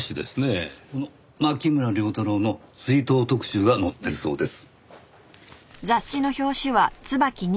牧村遼太郎の追悼特集が載ってるそうです。